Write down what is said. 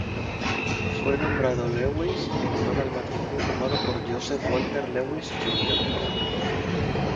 Fue nombrado Lewis en honor al matrimonio formado por "Joseph Walter Lewis, Jr.